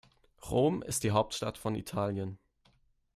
Rom ist die Hauptstadt von Italien.